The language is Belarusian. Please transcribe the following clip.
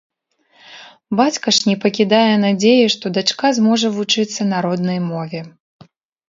Бацька ж не пакідае надзеі, што дачка зможа вучыцца на роднай мове.